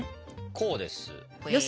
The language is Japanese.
こうです。